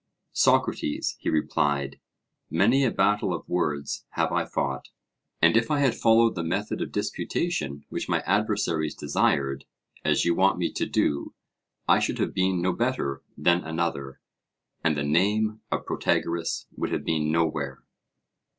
Socrates, he replied, many a battle of words have I fought, and if I had followed the method of disputation which my adversaries desired, as you want me to do, I should have been no better than another, and the name of Protagoras would have been nowhere.